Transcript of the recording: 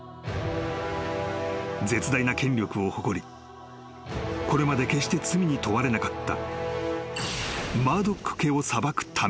［絶大な権力を誇りこれまで決して罪に問われなかった］